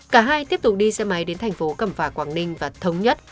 cả hai tiếp tục đi xe máy đến thành phố cẩm phả quảng ninh và thống nhất